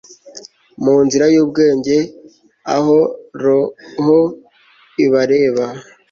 Mu nzira yubwenge aho roho ibareba